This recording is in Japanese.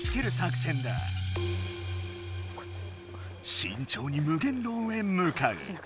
しんちょうに無限牢へむかう。